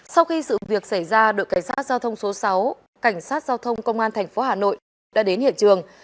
sau khi sự việc xảy ra đội cảnh sát giao thông số sáu cảnh sát giao thông công an tp hà nội đã đến hiện trường